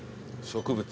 植物。